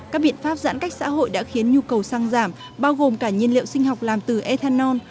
các biện pháp giãn cách xã hội đã khiến nhu cầu sang giảm bao gồm cả nhiên liệu sinh học làm từ ethanol